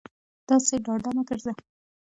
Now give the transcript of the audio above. داسې ډاډه مه گرځه